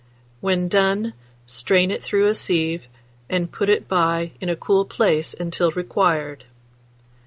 When done, strain it through a sieve, and put it by in a cool place until required.